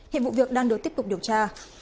hiện vụ việc đang được tiếp tục điều tra